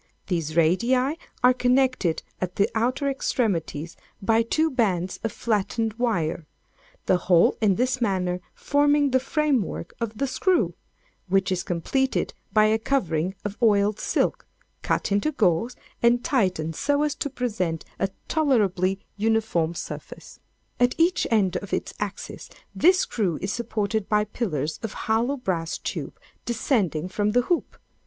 These radii are connected at the outer extremities by two bands of flattened wire—the whole in this manner forming the framework of the screw, which is completed by a covering of oiled silk cut into gores, and tightened so as to present a tolerably uniform surface. At each end of its axis this screw is supported by pillars of hollow brass tube descending from the hoop.